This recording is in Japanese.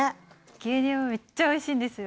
牛乳もめっちゃおいしいんですよ。